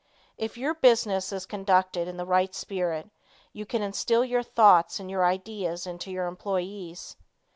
If your business is conducted in the right spirit, you can instill your thoughts and your ideas into your employees.